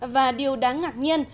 và điều đáng ngạc nhiên